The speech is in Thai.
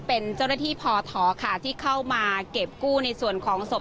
เป็นเจ้าหน้าที่พอท้อค่ะที่เข้ามาเก็บกู้ในส่วนของศพ